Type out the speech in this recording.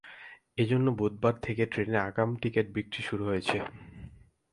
এ জন্য বুধবার থেকে ট্রেনের আগাম টিকিট বিক্রি শুরু হয়েছে।